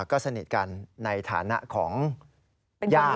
ก็สนิทกันในฐานะของย่า